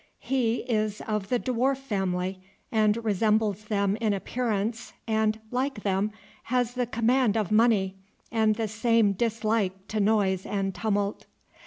He is of the dwarf family, and resembles them in appearance, and, like them, has the command of money, and the same dislike to noise and tumult.